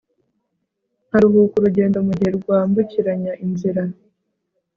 nkaruhuka urugendo mugihe rwambukiranya inzira